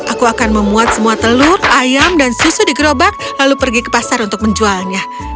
aku akan memuat semua telur ayam dan susu di gerobak lalu pergi ke pasar untuk menjualnya